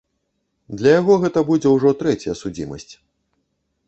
Для яго гэта будзе ўжо трэцяя судзімасць.